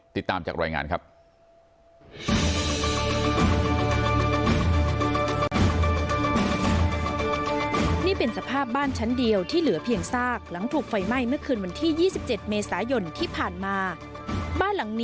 ติดตามจากรายงานครับ